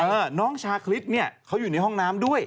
บอกว่าน้องชาคริสต์นี่เขาอยู่ในห้องน้ำด้วย